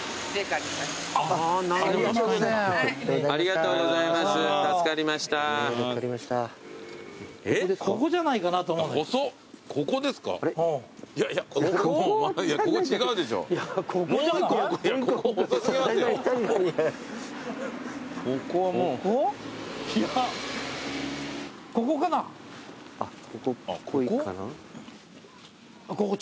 あっここっぽいかな。